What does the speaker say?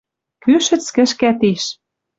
Кӱшӹц кӹшкӓ тиш.